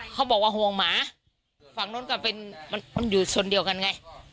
เขาบอกว่าห่วงหมาฝั่งนู้นก็เป็นมันอยู่ส่วนเดียวกันไง